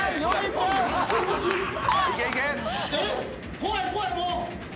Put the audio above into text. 怖い怖いもう。